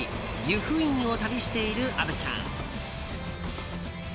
湯布院を旅している虻ちゃん。